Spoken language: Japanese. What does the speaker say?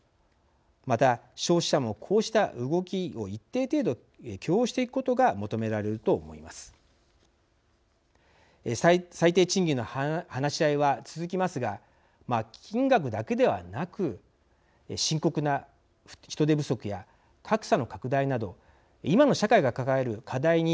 また、消費者もこうした動きを一定程度、許容していくことが求められると思います最低賃金の話し合いは続きますが金額だけではなく深刻な人手不足や格差の拡大など今の社会が抱える課題に